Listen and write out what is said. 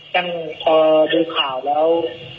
ยังพอดูข่าวแล้ว